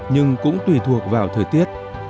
nhưng cũng tùy thuộc vào thời tiết